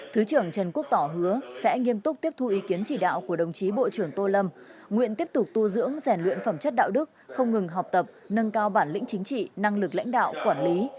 thứ trưởng trần quốc tỏ hứa sẽ nghiêm túc tiếp thu ý kiến chỉ đạo của đồng chí bộ trưởng tô lâm nguyện tiếp tục tu dưỡng rèn luyện phẩm chất đạo đức không ngừng học tập nâng cao bản lĩnh chính trị năng lực lãnh đạo quản lý